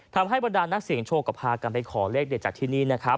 ทำให้บรรดานนักเสียงโชคก็พากันไปขอเลขเด็ดจากที่นี่